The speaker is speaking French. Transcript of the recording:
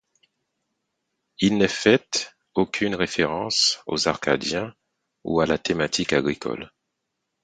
Il n'est faite aucune référence aux Arcadiens ou à la thématique agricole.